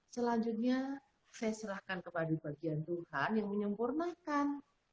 selanjutnya saya serahkan kepada bagian tuhan yang menyempurnakan